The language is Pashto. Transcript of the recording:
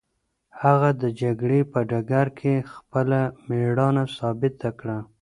هغه د جګړې په ډګر کې خپله مېړانه ثابته کړه.